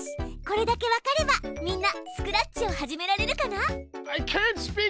これだけわかればみんなスクラッチを始められるかな？